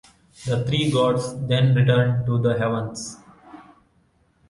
The three gods then returned to the heavens.